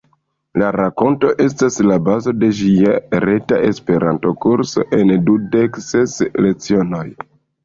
La rakonto estas la bazo de ĝia reta Esperanto-kurso en dudek ses lecionoj.